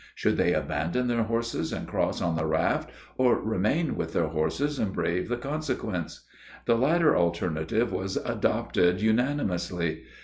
Should they abandon their horses and cross on the raft, or remain with their horses and brave the consequence? The latter alternative was adopted unanimously.